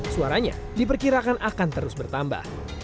suaranya diperkirakan akan terus bertambah